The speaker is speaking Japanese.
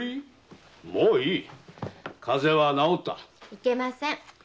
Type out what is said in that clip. いけません。